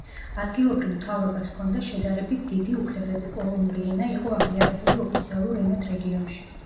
ადგილობრივ მთავრობას ჰქონდა შედარებით დიდი უფლებები, პოლონური ენა იყო აღიარებული ოფიციალურ ენად რეგიონში.